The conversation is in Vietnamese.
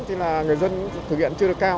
chứ là người dân thực hiện chưa được cao